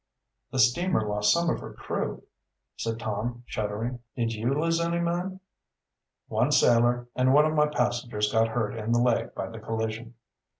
"The steamer lost some of her crew," said Tom, shuddering. "Did you lose any men?" "One sailor, and one of my passengers got hurt in the leg by the collision."